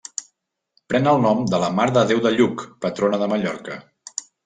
Pren el nom de la Mare de Déu de Lluc, patrona de Mallorca.